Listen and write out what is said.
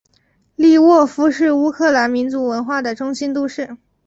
利沃夫是乌克兰民族文化的中心都市。